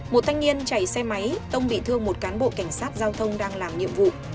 một thanh niên chạy xe máy tông bị thương một cán bộ cảnh sát giao thông đang làm nhiệm vụ